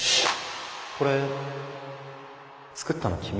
これ作ったの君？